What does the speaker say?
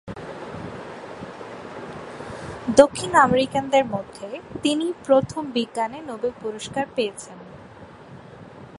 দক্ষিণ আমেরিকানদের মধ্যে তিনিই প্রথম বিজ্ঞানে নোবেল পুরস্কার পেয়েছেন।